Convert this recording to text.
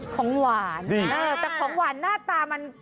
ของหวาน